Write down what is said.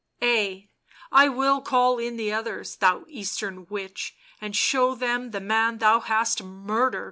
" Ay, I will call in the others, thou Eastern witch, and show them the man thou hast murdered."